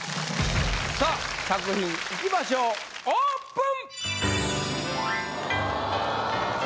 さぁ作品いきましょうオープン。